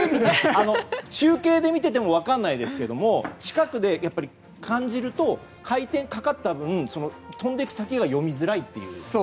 中継で見ていても分からないですけど近くで感じると回転がかかった分飛んでいく先が読みづらいという。